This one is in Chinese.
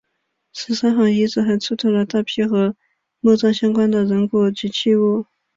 十三行遗址还出土了大批和墓葬相关的人骨及器物。